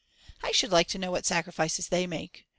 I should like to know what sacrifices they make.